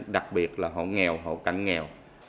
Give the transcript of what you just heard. đặc biệt là hộ nghèo hộ cảnh nghèo